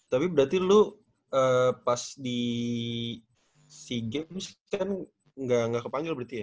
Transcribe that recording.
tapi berarti lo pas di si games kan gak ke panggil berarti ya